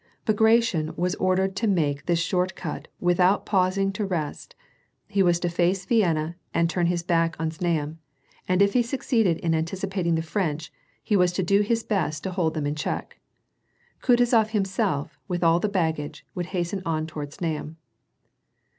Bagration was ordered to make this short cut without pausing to rest ; he was to face Vienna and turn his back on Znaim, and if he suc ceeded in anticipating the French he was to do his best to hold them in check. Kutuzof himself, with all the baggage, would iiasten on toward Znaim.